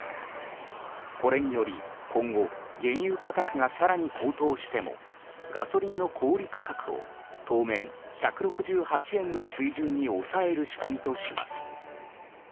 これにより今後原油価格が更に高騰してもガソリンの小売価格を当面１６８円の水準に抑える仕組みとします。